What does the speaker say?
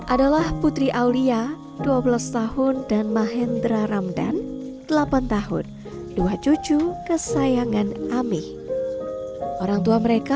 adalah putri aulia dua belas tahun dan mahendra ramdan delapan tahun dua cucu kesayangan amih orang tua mereka